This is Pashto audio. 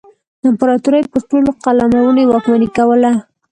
د امپراتورۍ پر ټولو قلمرونو یې واکمني کوله.